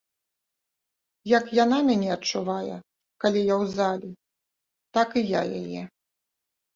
Як яна мяне адчувае, калі я ў зале, так і я яе.